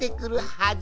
「はず」？